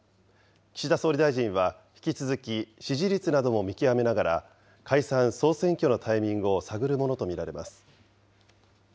岸田総理大臣は引き続き支持率なども見極めながら、解散・総選挙のタイミングを探るものと見られます。